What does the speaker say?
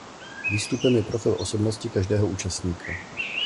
Výstupem je profil osobnosti každého účastníka.